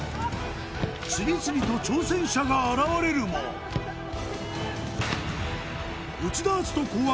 次々と挑戦者が現れるも内田篤人考案